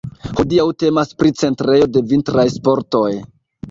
Hodiaŭ temas pri centrejo de vintraj sportoj.